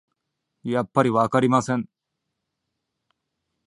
やっぱりわかりません